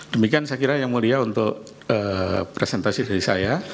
demikian saya kira yang mulia untuk presentasi dari saya